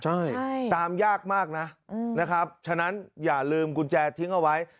ใช่ตามยากมากนะนะครับฉะนั้นอย่าลืมกุญแจทิ้งเอาไว้